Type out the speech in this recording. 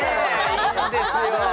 いいんですよ